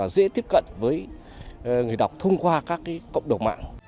dễ tiếp cận với người đọc thông qua các cộng đồng mạng